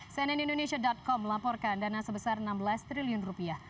cnn indonesia com melaporkan dana sebesar enam belas triliun rupiah